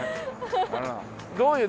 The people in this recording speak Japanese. どういう？